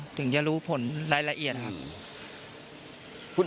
ถึงจะรู้ผลรายละเอียดครับ